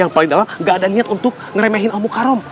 gak ada niat untuk ngeremehin al mukarram